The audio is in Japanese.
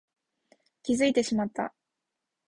気づいてしまった